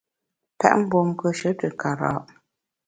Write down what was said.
Pèt mgbom nkùeshe te kara’ !